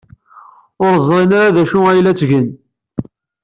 Ur ẓrin ara d acu ay la ttgen.